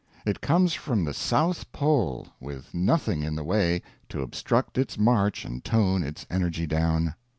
It comes from the South Pole, with nothing in the way to obstruct its march and tone its energy down.